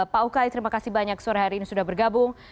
pak ukay terima kasih banyak sore hari ini sudah bergabung